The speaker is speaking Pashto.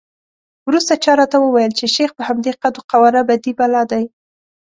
وروسته چا راته وویل چې شیخ په همدې قد وقواره بدي بلا دی.